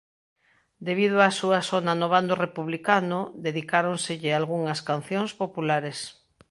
Debido á súa sona no bando republicano dedicáronselle algunhas cancións populares.